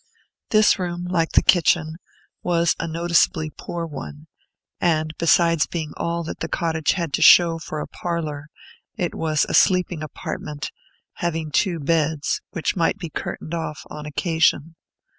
This room, like the kitchen, was a noticeably poor one, and, besides being all that the cottage had to show for a parlor, it was a sleeping apartment, having two beds, which might be curtained off, on occasion.